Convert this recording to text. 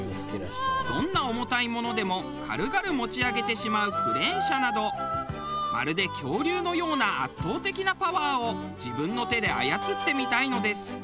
どんな重たいものでも軽々持ち上げてしまうクレーン車などまるで恐竜のような圧倒的なパワーを自分の手で操ってみたいのです。